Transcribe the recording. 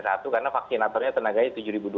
satu karena vaksinatornya tenaganya tujuh dua ratus